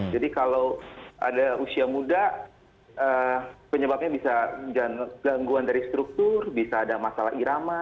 jadi kalau ada usia muda penyebabnya bisa gangguan dari struktur bisa ada masalah irama